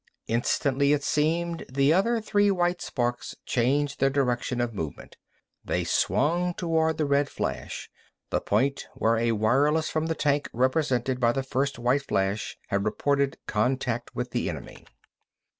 Instantly, it seemed, the other three white sparks changed their direction of movement. They swung toward the red flash—the point where a wireless from the tank represented by the first white flash had reported, contact with the enemy.